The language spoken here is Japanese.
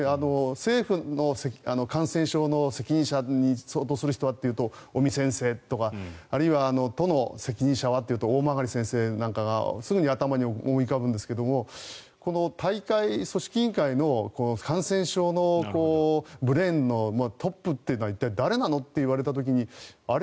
政府の感染症の責任者に相当する人はというと尾身先生とかあるいは都の責任者はというと大曲先生なんかがすぐに頭に思い浮かびますが大会組織委員会の、感染症のブレーンのトップというのは一体誰なの？と言われた時にあれ？